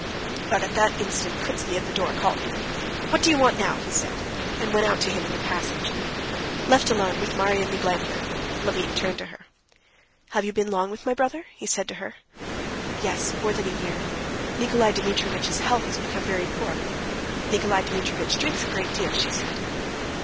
But at that instant Kritsky, at the door, called him.... "What do you want now?" he said, and went out to him in the passage. Left alone with Marya Nikolaevna, Levin turned to her. "Have you been long with my brother?" he said to her. "Yes, more than a year. Nikolay Dmitrievitch's health has become very poor. Nikolay Dmitrievitch drinks a great deal," she said.